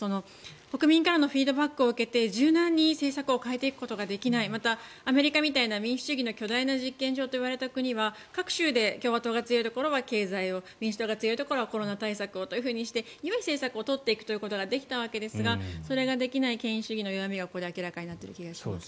国民からのフィードバックを受けて柔軟に政策を変えていくことができないまた、アメリカみたいな民主主義の巨大な実験場といわれた国は各州で共和党が強いところは経済を民主党が強いところはコロナ対策をということでよい政策を取っていくということができたわけですがそれができない権威主義の弱みがここで明らかになっている気がします。